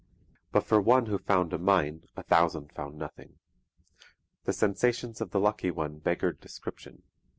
But for one who found a mine a thousand found nothing. The sensations of the lucky one beggared description.